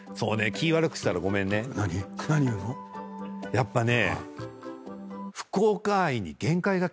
やっぱね。